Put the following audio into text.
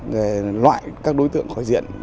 để loại các đối tượng khỏi diện